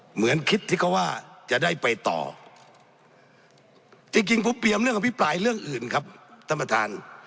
เหมือนคิดที่เขาว่าจะได้ไปต่อจริงจริงผมเตรียมเรื่องอภิปรายเรื่องอื่นครับท่านประธาน